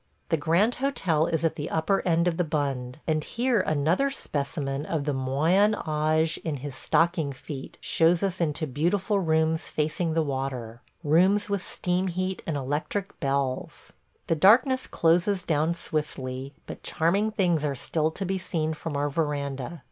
The Grand Hotel is at the upper end of the Bund, and here another specimen of the Moyen âge in his stocking feet shows us into beautiful rooms facing the water – rooms with steam heat and electric bells! ... The darkness closes down swiftly, but charming things are still to be seen from our veranda.